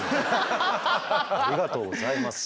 ありがとうございます。